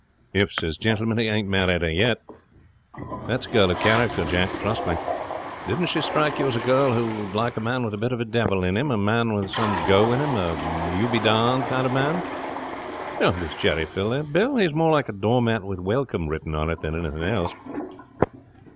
"If," says Gentleman. "He ain't married her yet. That is a girl of character, Jack. Trust me. Didn't she strike you as a girl who would like a man with a bit of devil in him, a man with some go in him, a you be darned kind of man? Does Jerry fill the bill? He's more like a doormat with 'Welcome' written on it, than anything else."